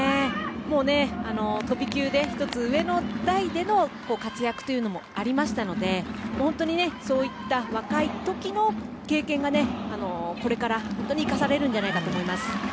飛び級で１つ上の代での活躍というのもありましたので本当に、そうした若い時の経験がこれから生かされるんじゃないかと思います。